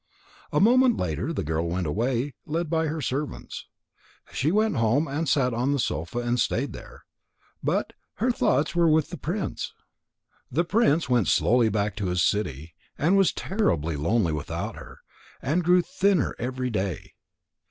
A moment later the girl went away, led by her servants. She went home and sat on the sofa and stayed there. But her thoughts were with the prince. The prince went slowly back to his city, and was terribly lonely without her, and grew thinner every day.